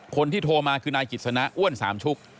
คนที่โทรมาคือนายกฤษณอ้วนสามชุก